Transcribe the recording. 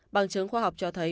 bằng chứng khoa học cho thấy